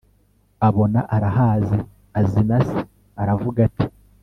abona arahazi, azi na se. aravuga ati